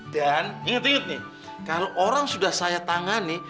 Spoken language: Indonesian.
dan inget inget nih kalau orang sudah saya tangani